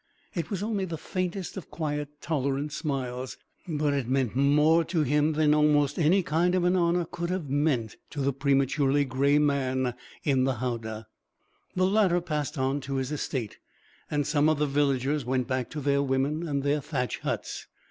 It was only the faintest of quiet, tolerant smiles; but it meant more to him than almost any kind of an honour could have meant to the prematurely gray man in the howdah. The latter passed on to his estate, and some of the villagers went back to their women and their thatch huts.